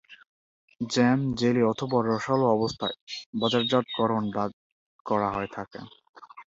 Jam, jelly অথবা রসালো অবস্থায় বাজারজাতকরণ করা হয়ে থাকে।